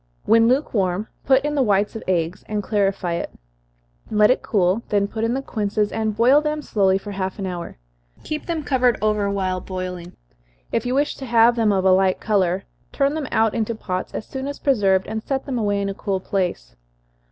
When lukewarm, put in the whites of eggs, and clarify it let it cool, then put in the quinces, and boil them slowly for half an hour. Keep them covered over while boiling, if you wish to have them of a light color. Turn them out into pots as soon as preserved, and set them away in a cool place.